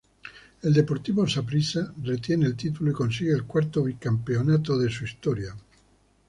El Deportivo Saprissa retiene el título y consigue el cuarto bicampeonato de su historia.